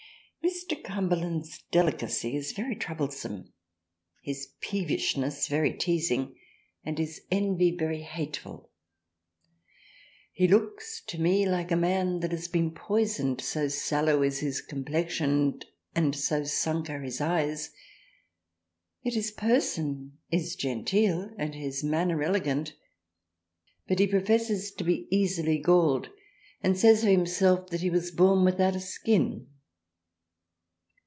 Mr. Cumberland's delicacy is very troublesome, his peevishness very teazing and his envy very hateful, he looks to me like a man that had been poisoned so sallow is his Complexion, and so sunk are his Eyes. Yet his person is Genteel and his Manner elegant but he professes to be easily galled and says of himself that he was born without a skin.